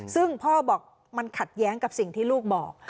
ซึ่งพ่อบอกมันขัดแย้งกับสิ่งที่ลูกบอก